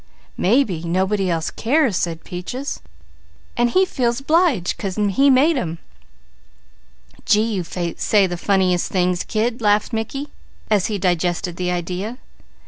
"Mebby nobody else cares," said Peaches, "and He feels obliged to 'cause He made 'em." "Gee! You say the funniest things, kid," laughed Mickey as he digested the idea.